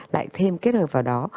lại thêm kết hợp vào đó